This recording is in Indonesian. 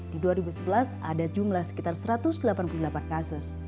di dua ribu sebelas ada jumlah sekitar satu ratus delapan puluh delapan kasus